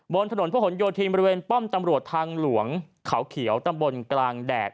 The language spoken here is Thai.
บนถนนพระหลโยธินบริเวณป้อมตำรวจทางหลวงเขาเขียวตำบลกลางแดด